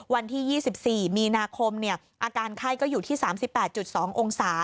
วันที่๒๔มีนาคมอาการไข้ก็อยู่ที่๓๘๒องศา